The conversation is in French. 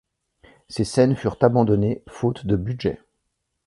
Ces scènes furent abandonnées faute de budget.